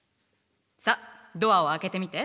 さっドアを開けてみて。